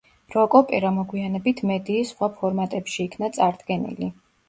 როკ-ოპერა მოგვიანებით მედიის სხვა ფორმატებში იქნა წარდგენილი.